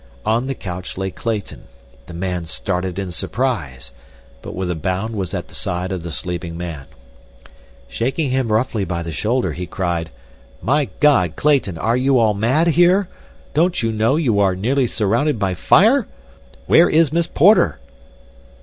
On the couch lay Clayton. The man started in surprise, but with a bound was at the side of the sleeping man. Shaking him roughly by the shoulder, he cried: "My God, Clayton, are you all mad here? Don't you know you are nearly surrounded by fire? Where is Miss Porter?"